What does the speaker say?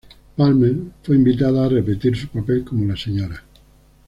Palmer fue invitada a repetir su papel como la Sra.